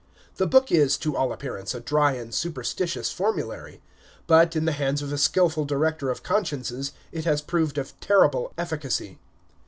The book is, to all appearance, a dry and superstitious formulary; but, in the hands of a skilful director of consciences, it has proved of terrible efficacy.